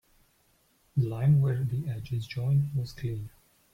The line where the edges join was clean.